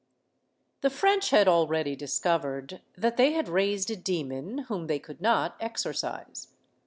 The French had already discovered that they had raised a demon whom they could not exorcise.